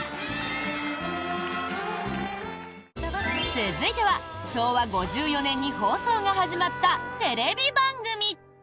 続いては、昭和５４年に放送が始まったテレビ番組。